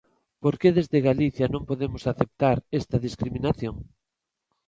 ¿Por que desde Galicia non podemos aceptar esta discriminación?